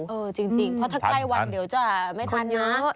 เออจริงเพราะถ้าใกล้วันเดี๋ยวจะไม่ทันนะ